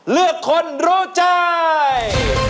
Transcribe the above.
เลือกคนรู้ใจ